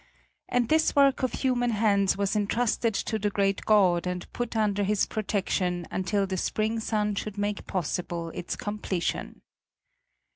And this work of human hands was entrusted to the great God and put under His protection until the spring sun should make possible its completion.